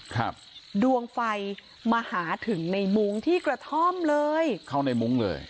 ครับดวงไฟมาหาถึงในมุ้งที่กระท่อมเลยเข้าในมุ้งเลย